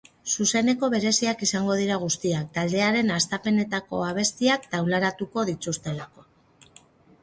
Zuzeneko bereziak izango dira guztiak, taldearen hastepenetako abestiak taularatuko dituztelako.